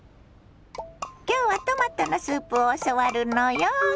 今日はトマトのスープを教わるのよ。